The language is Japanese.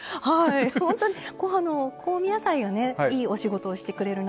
本当に香味野菜がいいお仕事をしてくれるな。